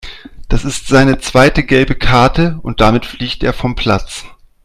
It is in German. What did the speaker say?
Das ist seine zweite gelbe Karte und damit fliegt er vom Platz.